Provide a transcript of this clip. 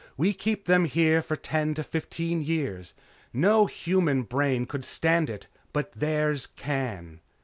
We keep them here for from ten to fifteen years. No human brain could stand it but theirs can."